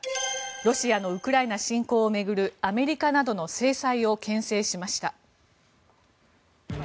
ロシアのウクライナ侵攻を巡るアメリカなどの制裁をけん制しました。